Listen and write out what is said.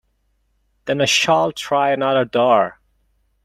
Then I shall try another door.